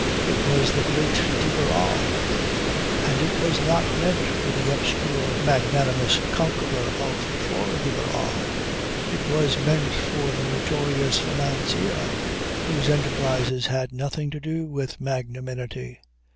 It was the Great de Barral. And it was not meant for the obscure, magnanimous conqueror of Flora de Barral; it was meant for the notorious financier whose enterprises had nothing to do with magnanimity.